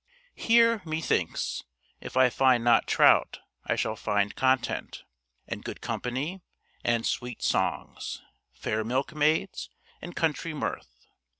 Here, methinks, if I find not trout I shall find content, and good company, and sweet songs, fair milkmaids, and country mirth.